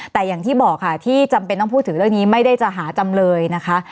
แต่อย่างที่บอกค่ะที่จำเป็นต้องพูดถึงเรื่องนี้ไม่ได้จะหาจำเลยนะคะ